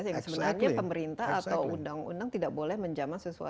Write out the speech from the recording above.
sebenarnya pemerintah atau undang undang tidak boleh menjaman sesuatu yang